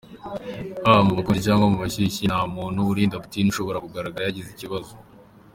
Haba mu bukonje cyangwa mu bushyuhe, nta muntu urinda Putin ushobora kugaragara yagize ikibazo.